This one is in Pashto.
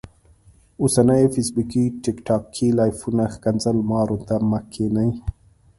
اوسنيو فيسبوکي ټیک ټاکي لايفونو ښکنځل مارو ته مه کينه